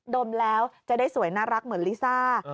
มแล้วจะได้สวยน่ารักเหมือนลิซ่า